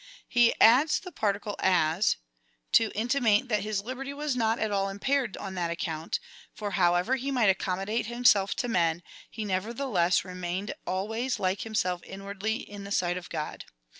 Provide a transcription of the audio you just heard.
He adds the particle as, to intimate that his liberty was not at all impaired on that account, for, however he might accommodate himself to men, he nevertheless remained al ways like himself inwardly in the sight of God.